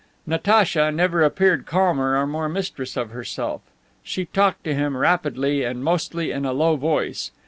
Natacha never appeared calmer or more mistress of herself. She talked to him rapidly and mostly in a low voice.